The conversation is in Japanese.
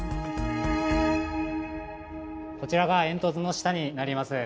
こちらが煙突の下になります。